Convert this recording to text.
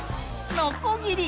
のこぎり。